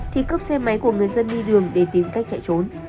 thì cướp xe máy của người dân đi đường để tìm cách chạy trốn